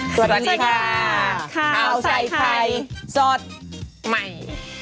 สวัสดีค่ะข้าวใส่ไข่สดใหม่